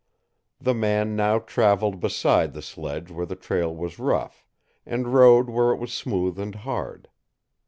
The man now traveled beside the sledge where the trail was rough, and rode where it was smooth and hard.